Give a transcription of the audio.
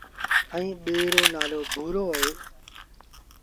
ائيٚݩ ٻي رو نآلو ڀورو اهي۔